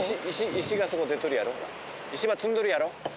石ば積んどるやろ。